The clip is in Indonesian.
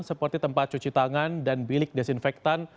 seperti tempat cuci tangan dan bilik desinfektan